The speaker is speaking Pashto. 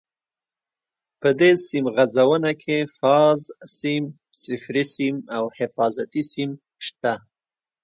په دې سیم غځونه کې فاز سیم، صفري سیم او حفاظتي سیم شته.